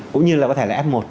cũng như là có thể là f một